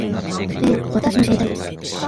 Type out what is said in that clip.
ええ、私も知りたいです